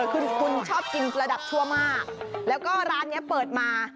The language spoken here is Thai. คือคุณชอบกินระดับชั่วมากแล้วก็ร้านนี้เปิดมา